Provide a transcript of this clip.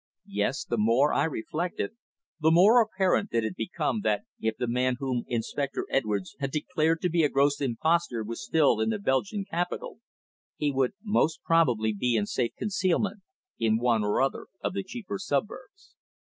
Yes, the more I reflected, the more apparent did it become that if the man whom Inspector Edwards had declared to be a gross impostor was still in the Belgian capital, he would most probably be in safe concealment in one or other of the cheaper suburbs.